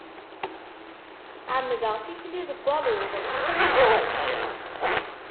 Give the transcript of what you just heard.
Ɛemmdeɣ tikli deg aluḍ.